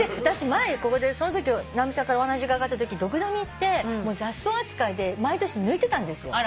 前ここで直美ちゃんからお話伺ったときドクダミって雑草扱いで毎年抜いてたんですよ。